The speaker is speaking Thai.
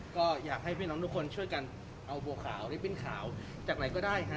ก็อยากให้พี่น้องทุกคนช่วยกันเอาบัวขาวลิปปิ้นขาวจากไหนก็ได้ฮะ